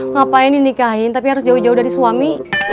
ngapain nih nikahin tapi harus jauh jauh dari suami